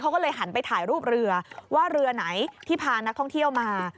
เขาก็เลยหันไปถ่ายรูปเรือว่าเรือไหนที่พานักท่องเที่ยวมา